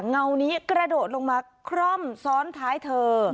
เงานี้กระโดดลงมาคร่อมซ้อนท้ายเธอ